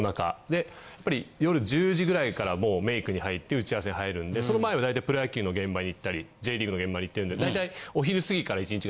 でやっぱり夜１０時ぐらいからもうメイクに入って打ち合わせに入るんでその前は大体プロ野球の現場に行ったりＪリーグの現場に行ってるんで大体。